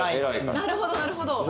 なるほどなるほど。